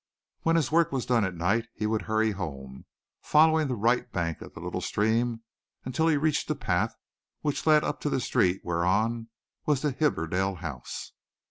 When his work was done at night he would hurry home, following the right bank of the little stream until he reached a path which led up to the street whereon was the Hibberdell house.